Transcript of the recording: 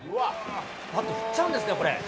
ばっと振っちゃうんですね、これ。